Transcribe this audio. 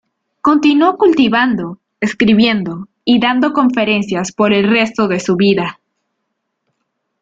Continuó cultivando, escribiendo y dando conferencias por el resto de su vida.